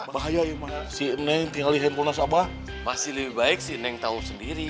bahaya yang mana sih neng tinggal di handphone sama masih lebih baik sih neng tahu sendiri